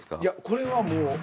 いやこれはもう。